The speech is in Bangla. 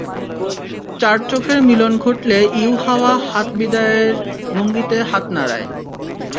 চার চোখের মিলন ঘটলে ইউহাওয়া হাত বিদায়ের ভঙ্গিতে হাত নাড়ায়।